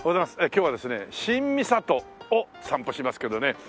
今日はですね新三郷を散歩しますけどね。